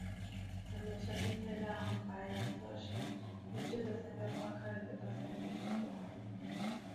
人们相信佩戴红白两色线绳编织的三月花可以得到三月奶奶的宽宥。